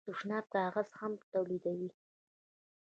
د تشناب کاغذ هم تولیدوي.